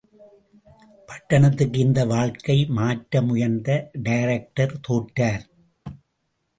பட்டணத்துக்கு இந்த வழக்கை மாற்ற முயன்ற டைரக்டர் தோற்றார்.